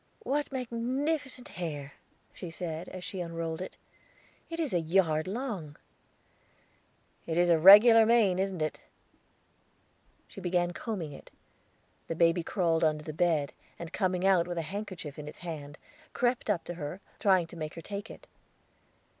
"What magnificent hair!" she said, as she unrolled it. "It is a yard long." "It is a regular mane, isn't it?" She began combing it; the baby crawled under the bed, and coming out with the handkerchief in its hand, crept up to her, trying to make her take it.